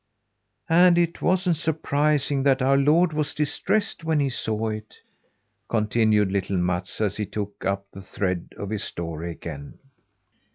And it wasn't surprising that our Lord was distressed when he saw it," continued little Mats, as he took up the thread of his story again.